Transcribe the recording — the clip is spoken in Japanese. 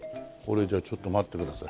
じゃあちょっと待ってください。